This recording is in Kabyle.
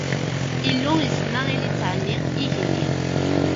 Illu isemma i litteɛ-nni: igenni.